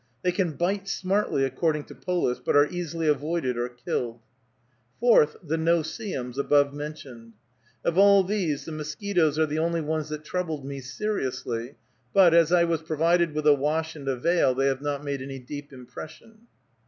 They can bite smartly, according to Polis, but are easily avoided or killed. Fourth, the no see ems above mentioned. Of all these, the mosquitoes are the only ones that troubled me seriously; but, as I was provided with a wash and a veil, they have not made any deep impression.